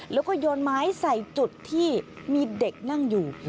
แล้วก็โยนไม้ใส่จุดที่มีเด็กนั่งอยู่